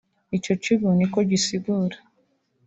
ico kigo niko gisigura